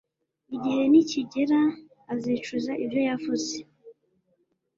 igihe nikigera azicuza ibyo yavuze